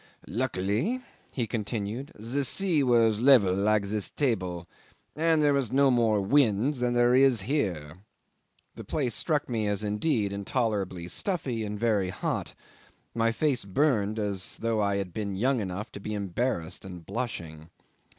"Luckily," he continued, "the sea was level like this table, and there was no more wind than there is here." ... The place struck me as indeed intolerably stuffy, and very hot; my face burned as though I had been young enough to be embarrassed and blushing.